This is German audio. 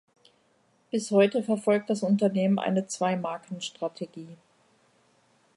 Bis heute verfolgt das Unternehmen eine Zwei-Marken-Strategie.